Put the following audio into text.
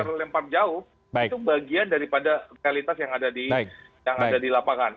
itu bagian dari pada kualitas yang ada di lapangan